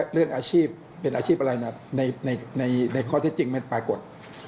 เรื่องอาชีพเป็นอาชีพอะไรนะครับในข้อที่จริงไม่ปรากฏ